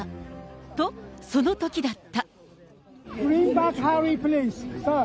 と、そのときだった。